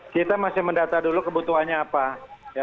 kita masih mendata dulu kebutuhannya apa